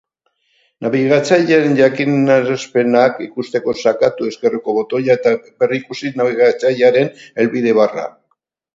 Nabigatzailearen jakinarazpenak ikusteko sakatu ezkerreko botoia eta berrikusi nabigatzailearen helbide-barra.